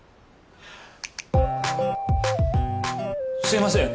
すいません。